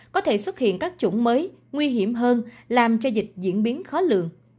có thể xuất hiện các chủng mới nguy hiểm hơn làm cho dịch diễn biến khó lường